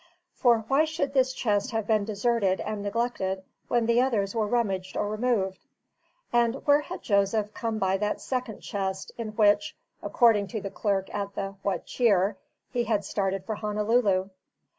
For why should this chest have been deserted and neglected, when the others were rummaged or removed? and where had Jos. come by that second chest, with which (according to the clerk at the What Cheer) he had started for Honolulu?